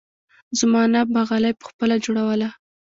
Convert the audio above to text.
زما انا به غالۍ پخپله جوړوله.